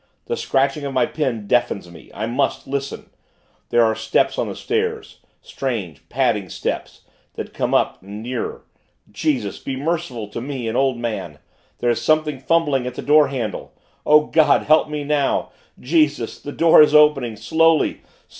The scratching of my pen deafens me ... I must listen.... There are steps on the stairs; strange padding steps, that come up and nearer.... Jesus, be merciful to me, an old man. There is something fumbling at the door handle. O God, help me now! Jesus The door is opening slowly.